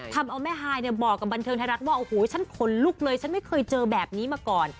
ทำเอาแม่ฮายเนี่ยบอกกับบันเทิงไทยรัฐว่าโอ้โหฉันขนลุกเลยฉันไม่เคยเจอแบบนี้มาก่อน